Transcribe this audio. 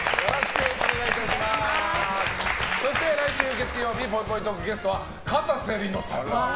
そして来週月曜日のぽいぽいトーク、ゲストはかたせ梨乃さん。